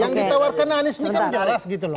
yang ditawarkan anies ini kan jelas gitu loh